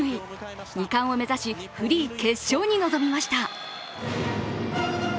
２冠を目指しフリー決勝に挑みました。